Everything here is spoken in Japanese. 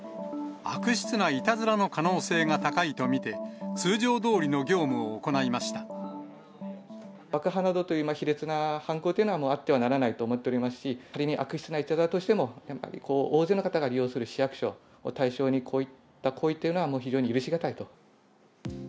悪質ないたずらの可能性が高いと見て、通常どおりの業務を行いま爆破などという卑劣な犯行というのは、あってはならないと思っておりますし、仮に悪質ないたずらだとしても、大勢の方が利用する市役所を対象にこういった行為というのは、非常に許し難いと。